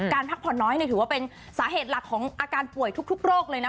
พักผ่อนน้อยถือว่าเป็นสาเหตุหลักของอาการป่วยทุกโรคเลยนะ